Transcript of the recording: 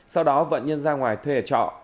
sau đó vợ nhân ra ngoài thuê hệ trọ